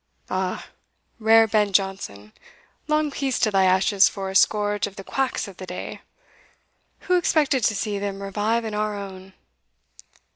Ah! rare Ben Jonson! long peace to thy ashes for a scourge of the quacks of thy day! who expected to see them revive in our own?"